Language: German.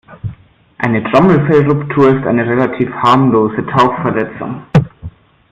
Eine Trommelfellruptur ist eine relativ harmlose Tauchverletzung.